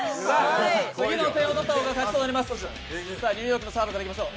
次の点を取った方が勝ちとなります。